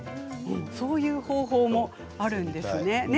そういう方法もあるんですね。